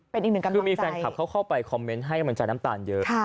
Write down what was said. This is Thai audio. เป็นอีกหนึ่งคำถามคือมีแฟนคลับเขาเข้าไปคอมเมนต์ให้กำลังใจน้ำตาลเยอะ